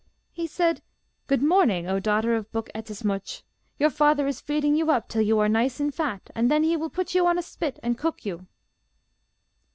'He said, "Good morning, O daughter of Buk Ettemsuch. Your father is feeding you up till you are nice and fat, and then he will put you on a spit and cook you."